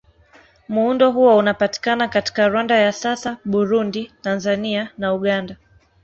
Muundo huo unapatikana katika Rwanda ya sasa, Burundi, Tanzania na Uganda.